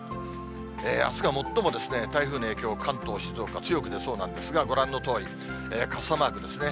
あすが最も台風の影響、関東、静岡、強く出そうなんですが、ご覧のとおり、傘マークですね。